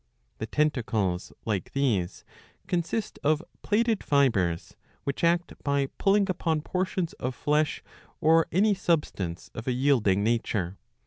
^^ The tentacles, like these, consist of plaited fibreSj which act by pulling upon portions of flesh or any substance of a yielding nature.